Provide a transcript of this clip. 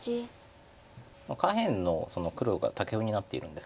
下辺の黒がタケフになっているんですけど。